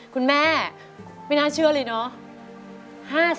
คุณแม่ไม่น่าเชื่อเลยเนาะ